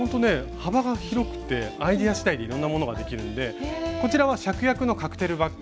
幅が広くてアイデア次第でいろんなものができるんでこちらはシャクヤクのカクテルバッグ。